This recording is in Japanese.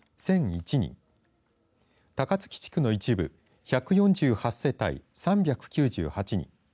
人高月地区の一部１４８世帯、３９８人